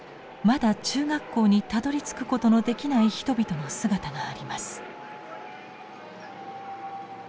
まだ中学校にたどりつくことのできない人々の姿があります。